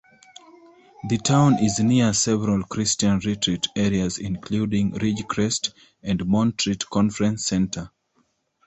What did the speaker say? The town is near several Christian retreat areas including Ridgecrest and Montreat Conference Center.